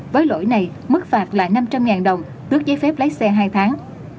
với lỗi này mức phạt là năm trăm linh ngàn đồng tước giấy phép lấy xe hai tháng